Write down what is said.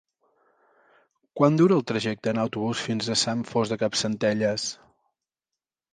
Quant dura el trajecte en autobús fins a Sant Fost de Campsentelles?